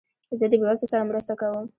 زه د بېوزلو سره مرسته کوم.